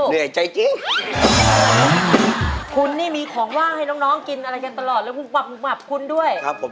แต่คุณน่ะไปแย่งเด็กกินทำไมครับคุณแท็ก